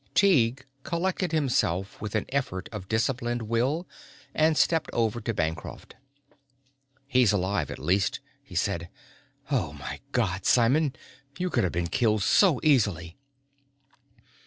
Tighe collected himself with an effort of disciplined will and stepped over to Bancroft. "He's alive, at least," he said. "Oh my God, Simon! You could have been killed so easily."